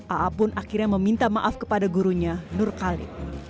aa pun akhirnya meminta maaf kepada gurunya nur khalid